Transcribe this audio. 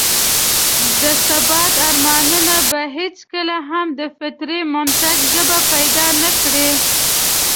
د ثبات ارمانونه به هېڅکله هم د فطري منطق ژبه پيدا نه کړي.